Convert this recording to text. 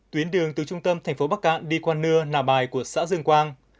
tuyến đường từ trung tâm thành phố bắc cạn đi qua nưa nà bài của xã dương quang